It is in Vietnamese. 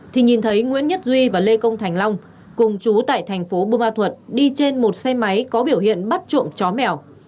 thì nhìn thấy nguyễn nhất duy và lê công thành long cùng chú tại thành phố bù ma thuật đi trên một xe máy có biểu hiện bắt trộm chó mèo